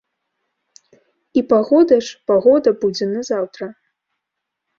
І пагода ж, пагода будзе на заўтра.